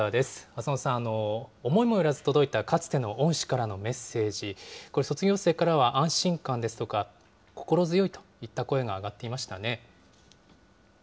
浅野さん、思いもよらず届いたかつての恩師からのメッセージ、これ、卒業生からは安心感ですとか、心強いといった声が上がっていましたね。